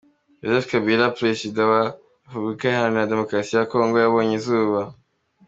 Joseph Kabila, perezida wa Repubulika iharanira Demokarasi ya Kongo yabonye izuba.